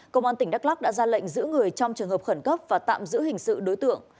công an tỉnh đắk lắc đã ra lệnh giữ người trong trường hợp khẩn cấp và tạm giữ hình sự đối tượng